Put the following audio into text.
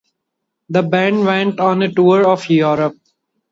The band went on a tour of Europe.